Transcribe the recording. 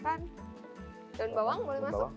daun bawang boleh masuk